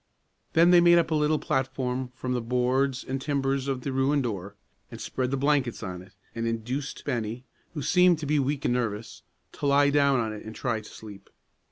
Then they made up a little platform from the boards and timbers of the ruined door, and spread the blankets on it, and induced Bennie, who seemed to be weak and nervous, to lie down on it and try to sleep.